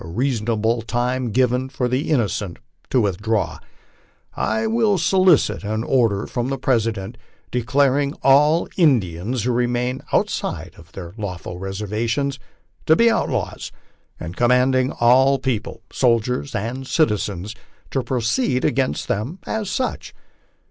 'ivson able time given for the innocent to withdraw, I will solicit an order from the President declaring all Indians who remain outside of their lawful reservations to be outlaws, and commanding all people, soldiers and citizens, to proceed against them as such.